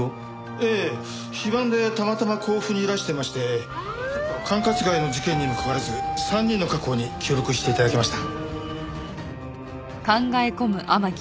ええ非番でたまたま甲府にいらしてまして管轄外の事件にもかかわらず３人の確保に協力して頂きました。